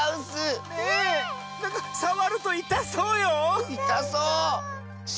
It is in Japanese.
なんかさわるといたそうよ！